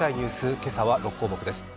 今朝は６項目です。